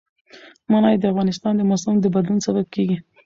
منی د افغانستان د موسم د بدلون سبب کېږي.